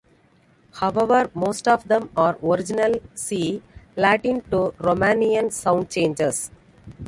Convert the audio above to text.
However, most of them are original, see: Latin to Romanian sound changes.